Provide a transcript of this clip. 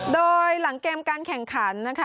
โดยหลังเกมการแข่งขันนะคะ